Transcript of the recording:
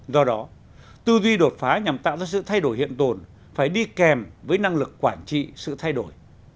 do đó tư duy đột phá nhằm tạo ra sự thay đổi hiện tồn phải đi kèm với năng lực quản trị sự thay đổi